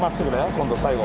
今度最後。